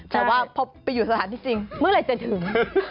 แต่ว่าพอไปอยู่สถานที่จริงเมื่อไหร่จะถึง